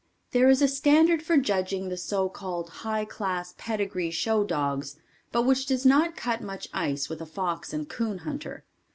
There is a standard for judging the so called high class pedigree show dogs but which does not cut much ice with a fox and coon hunter.